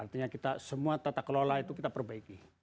artinya kita semua tata kelola itu kita perbaiki